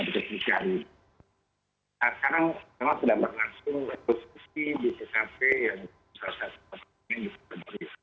sekarang memang sudah berlangsung rekonstruksi di bkp yang selama setengah minggu